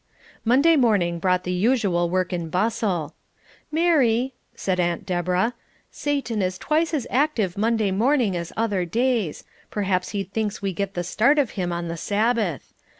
Monday morning brought the usual work and bustle, "Mary," said Aunt Deborah, "Satan is twice as active Monday morning as other days; perhaps he thinks we get the start of him on the Sabbath.